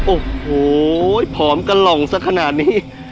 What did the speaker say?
โอ้โหผอมกระหล่องสักขนาดนี้